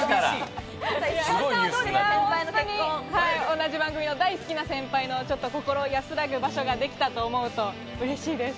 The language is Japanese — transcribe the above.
同じ番組の大好きな先輩の心安らぐ場所ができたと思うと嬉しいです。